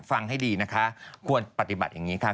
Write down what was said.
ฟังให้ดีนะคะควรปฏิบัติอย่างนี้ค่ะ